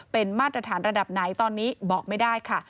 เป็นมาตรฐานระดับไหนตอนนี้บอกไม่ได้ค่ะ